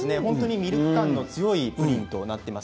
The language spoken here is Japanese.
ミルク感の強いクリームになっています。